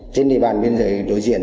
trên địa bàn biên giới đối diện